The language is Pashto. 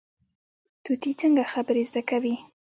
طوطي څنګه خبرې زده کوي؟